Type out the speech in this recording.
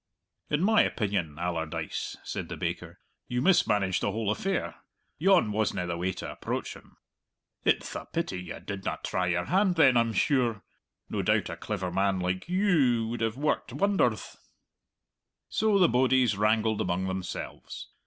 "In my opinion, Allardyce," said the baker, "you mismanaged the whole affair. Yon wasna the way to approach him!" "It'th a pity you didna try your hand, then, I'm sure! No doubt a clever man like you would have worked wonderth!" So the bodies wrangled among themselves.